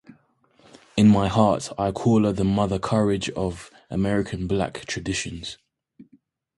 In my heart, I call her the Mother Courage of American Black traditions.